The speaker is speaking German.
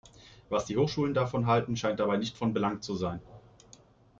Was die Hochschulen davon halten, scheint dabei nicht von Belang zu sein.